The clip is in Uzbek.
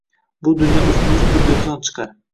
Bu dunyo ustma-ust bir do‘kon chiqar